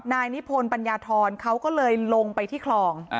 นายนิพนธ์ปัญญาธรเขาก็เลยลงไปที่คลอง